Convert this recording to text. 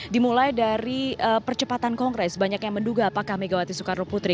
dimulai dari percepatan kongres banyak yang menduga apakah megawati soekarno putri